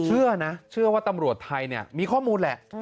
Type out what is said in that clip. เชื่อนะเชื่อว่าตำรวจไทยมีข้อมูลแหละ